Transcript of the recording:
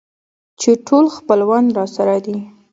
چې ټول خپلوان راسره دي.